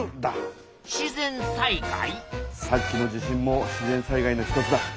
さっきの地震も自然災害の一つだ。